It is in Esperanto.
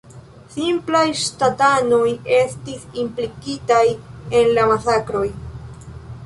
Simplaj ŝtatanoj estis implikitaj en la masakroj.